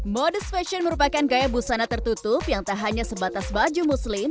modus fashion merupakan gaya busana tertutup yang tak hanya sebatas baju muslim